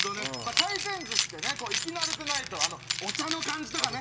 回転寿司ってね行き慣れてないとお茶の感じとかね。